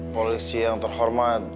polisi yang terhormat